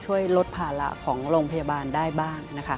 ช่วยลดภาระของโรงพยาบาลได้บ้างนะคะ